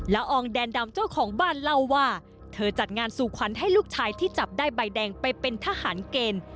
อองแดนดำเจ้าของบ้านเล่าว่าเธอจัดงานสู่ขวัญให้ลูกชายที่จับได้ใบแดงไปเป็นทหารเกณฑ์